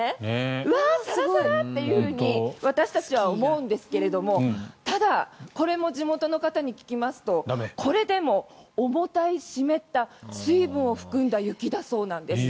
うわあ、サラサラというふうに私たちは思うんですけれどもただ、これも地元の方に聞きますとこれでも重たい、湿った水分を含んだ雪だそうです。